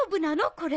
これ。